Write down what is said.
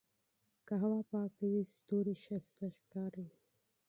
که هوا پاکه وي ستوري ښه ښکاري.